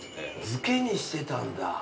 漬けにしてたんだ。